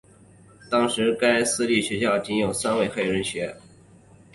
当时该私立学校仅有三位黑人学生。